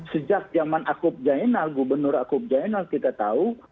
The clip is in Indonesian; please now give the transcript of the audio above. sejak zaman akub jainal gubernur akub jainal kita tahu